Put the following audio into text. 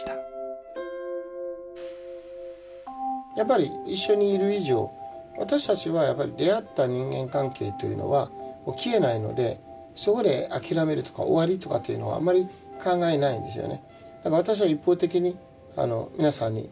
やっぱり一緒にいる以上私たちはやっぱり出会った人間関係というのは消えないのでそこで諦めるとか終わりとかっていうのはあんまり考えないんですよね。